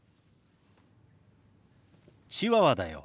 チワワだよ。